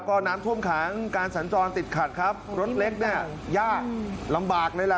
แล้วก็น้ำท่วมขางการสัญจรติดขัดครับรถเล็กนี่ยากลำบากนี่แหละ